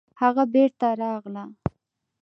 هغه بېرته راغله